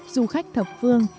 du khách thập phương